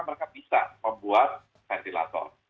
mereka bisa membuat ventilator